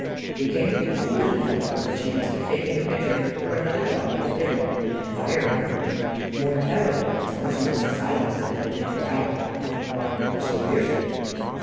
We came to the conclusion, however, that she must have taken the picture for another dog of a different and higher order, more terrible in its motionless silence than if it had growled or barked ever so fiercely.